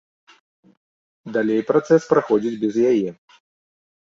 Далей працэс праходзіць без яе.